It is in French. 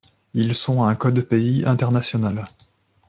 Ils sont un code pays international.